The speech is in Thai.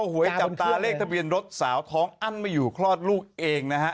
หวยจับตาเลขทะเบียนรถสาวท้องอั้นไม่อยู่คลอดลูกเองนะฮะ